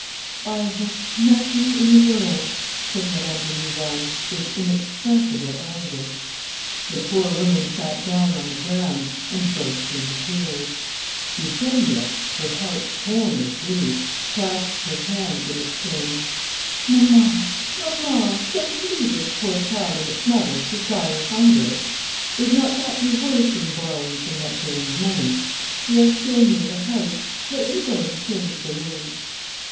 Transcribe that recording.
"I have nothing in the world," said Madame de Livonne, with inexpressible anguish. The poor woman sat down on the ground and burst into tears. Euphemia, her heart torn with grief, clasped her hands and exclaimed, "Mamma, mamma, shall we leave this poor child and its mother to die of hunger? Would not that be worse than borrowing from Mathurine's money? We are still near the house; let me go and change the louis."